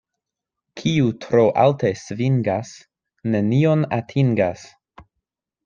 Kiu tro alte svingas, nenion atingas.